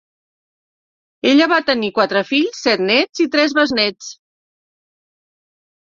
Ella va tenir quatre fills, set nets i tres besnets.